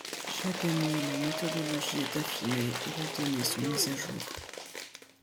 Chaque année, la méthodologie est affinée et les données sont mises à jour.